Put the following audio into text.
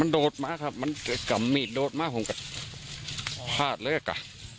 อ๋อมันโดดมาครับมันกำมีดโดดมาผมพลาดเลยก่ะ